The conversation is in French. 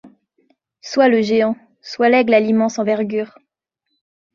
Sois le géant ! sois l'aigle à l'immense. envergure !